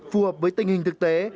phù hợp với tình hình thực tế